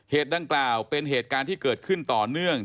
ดังกล่าวเป็นเหตุการณ์ที่เกิดขึ้นต่อเนื่อง